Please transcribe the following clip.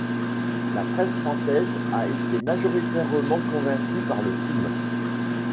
La presse française a été majoritairement convaincue par le film.